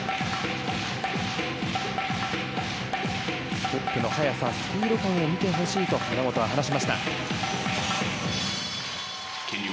ステップの速さスピード感を見てほしいと村元は話しました。